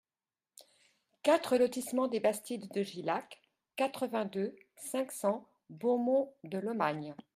quatre lotissement Des Bastides de Gillac, quatre-vingt-deux, cinq cents, Beaumont-de-Lomagne